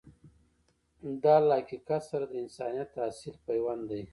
دا له حقیقت سره د انسانیت اصیل پیوند دی.